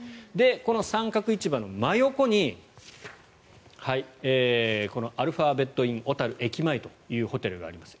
この三角市場の真横にアルファベッドイン小樽駅前というホテルがあります。